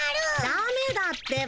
ダメだってば。